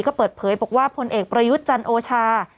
ก็เปิดเผยบอกว่าพลเอกประยุทธ์จันโอชา